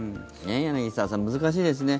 柳澤さん、難しいですね。